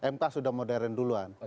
mk sudah modern duluan